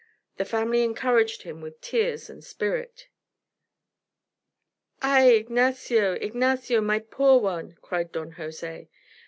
The family encouraged him with tears and spirit. "Ay, Ignacio, Ignacio, my poor one!" cried Don Jose.